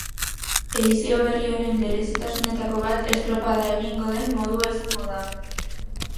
Edizio berri honen berezitasunetako bat estropada egingo den modua izango da.